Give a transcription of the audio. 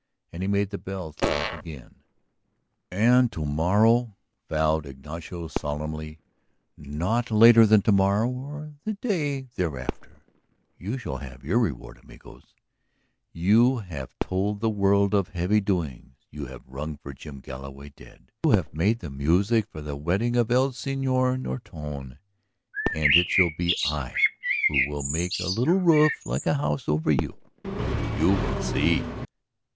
And he made the bells laugh again. "And to morrow," vowed Ignacio solemnly, "not later than to morrow or the day thereafter, you shall have your reward, amigos. You have told the world of heavy doings; you have rung for Jim Galloway dead; you have made the music for the wedding of el Señor Nortone. And it shall be I who will make a little roof like a house over you. You will see!"